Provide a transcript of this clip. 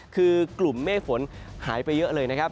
คือกลุ่มเมฆฝนหายไปเยอะเลยนะครับ